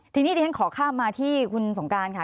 ทีนี้เรียกถึงขอข้ามมาที่คุณส่งการค่ะ